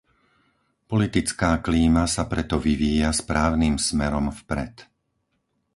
Politická klíma sa preto vyvíja správnym smerom vpred.